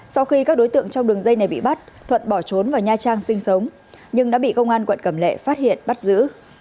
sau khi các đối tượng trong đường dây này bị bắt thuận bỏ trốn vào nha trang sinh sống nhưng đã bị công an quận cầm lệ phát hiện bắt giữ